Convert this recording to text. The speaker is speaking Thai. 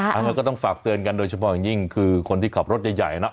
อย่างนั้นก็ต้องฝากเตือนกันโดยเฉพาะอย่างยิ่งคือคนที่ขับรถใหญ่นะ